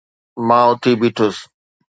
مان اٿي بيٺس